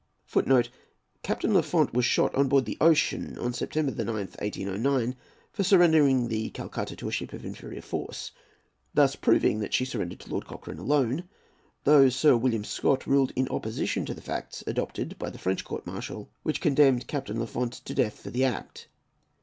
[A] [Footnote A: Captain Lafont was shot on board the Ocean, on September 9, 1809, for surrendering the Calcutta to a ship of inferior force, thus proving that she surrendered to Lord Cochrane alone, though Sir William Scott ruled in opposition to the facts adopted by the French Court Martial, which condemned Captain Lafont to death for the act.